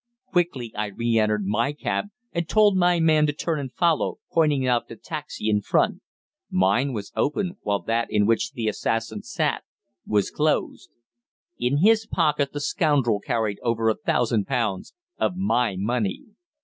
Quickly I re entered my cab, and told my man to turn and follow, pointing out the taxi in front. Mine was open, while that in which the assassin sat was closed. In his pocket the scoundrel carried over a thousand pounds of my money.